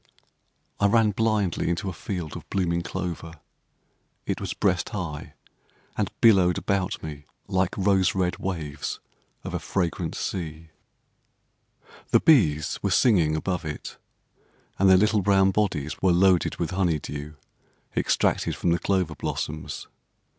I ran blindly into a field of blooming clover. It was breast high, and billowed about me like rose red waves of a fragrant sea. The bees were singing above it; and their little brown bodies were loaded with honey dew, extracted from the clover blossoms.